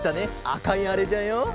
あかいあれじゃよ。